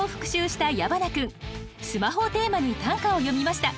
「スマホ」をテーマに短歌を詠みました。